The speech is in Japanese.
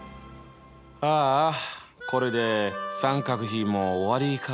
ああこれで三角比も終わりか。